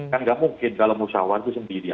kan nggak mungkin kalau musyawarah itu sendiri